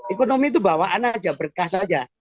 ekonomi itu bawaan saja berkah saja